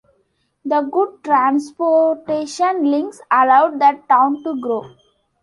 The good transportation links allowed the town to grow.